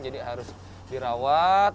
jadi harus dirawat